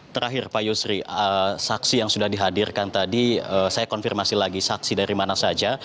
terakhir pak yusri saksi yang sudah dihadirkan tadi saya konfirmasi lagi saksi dari mana saja